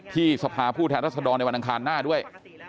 สภาผู้แทนรัศดรในวันอังคารหน้าด้วย